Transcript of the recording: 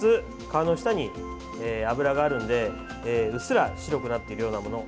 皮の下に脂があるのでうっすら白くなっているようなもの。